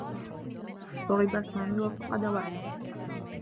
ضُرب سامي و فقد وعيه.